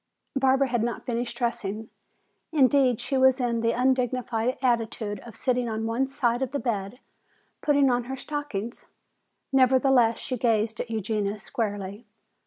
Barbara had not finished dressing. Indeed, she was in the undignified attitude of sitting on one side of the bed putting on her stockings. Nevertheless, she gazed at Eugenia squarely.